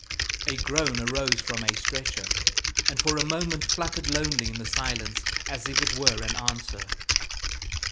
A groan arose from a stretcher, and for a moment fluttered lonely in the silence as if it were an answer.